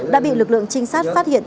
đã bị lực lượng trinh sát phát hiện